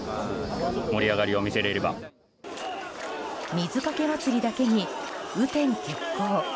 水かけ祭りだけに雨天決行。